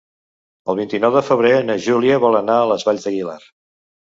El vint-i-nou de febrer na Júlia vol anar a les Valls d'Aguilar.